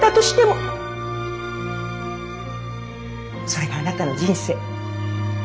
それがあなたの人生。